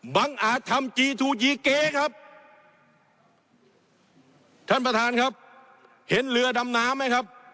บังอาจทำครับท่านประทานครับเห็นเรือดำน้ำไหมครับ